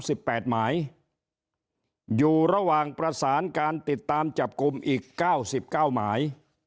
สิบแปดหมายอยู่ระหว่างประสานการติดตามจับกลุ่มอีกเก้าสิบเก้าหมาย